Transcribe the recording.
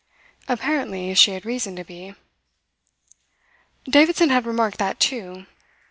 Apparently she had reason to be. Davidson had remarked that, too.